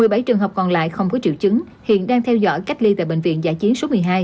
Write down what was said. bệnh viện không có triệu chứng hiện đang theo dõi cách ly tại bệnh viện giải chiến số một mươi hai